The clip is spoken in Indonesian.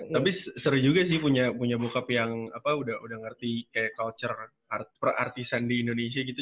tapi seru juga sih punya bokap yang udah ngerti kayak culture per artisan di indonesia gitu